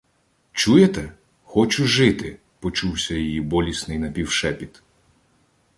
Чуєте? Хочу жити! — почувся її болісний напівшепіт.